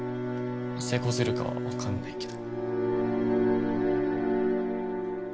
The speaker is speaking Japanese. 成功するかは分かんないけど。